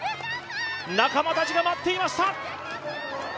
仲間たちが待っていました。